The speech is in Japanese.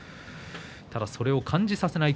ただ、それを感じさせない